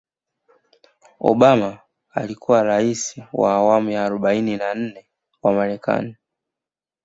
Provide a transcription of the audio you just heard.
obama alikuwa raisi wa awamu ya arobaini na nne wa marekani